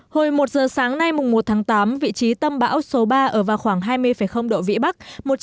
hồi một giờ sáng nay một tháng tám vị trí tâm bão số ba ở vào khoảng hai mươi độ vĩ bắc